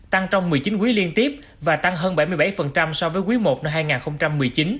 tăng trong một mươi chín quý liên tiếp và tăng hơn bảy mươi bảy so với quý i năm hai nghìn một mươi chín